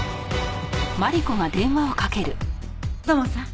土門さん